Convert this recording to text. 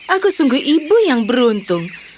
aku sungguh ibu yang beruntung